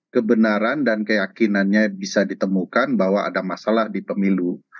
kebenaran dan keyakinannya bisa ditemukan bahwa ada masalah di pemilu